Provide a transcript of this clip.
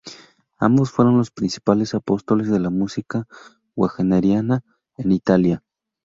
Ambos fueron los principales apóstoles de la música wagneriana en Italia.